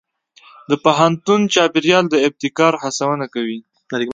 د پوهنتون چاپېریال د ابتکار هڅونه کوي.